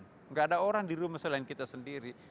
tidak ada orang di rumah selain kita sendiri